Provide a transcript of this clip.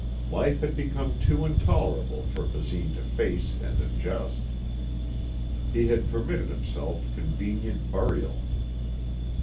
Life had become too intolerable for Basine to face and adjust. He had permitted himself convenient burial.